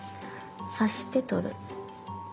刺して取る。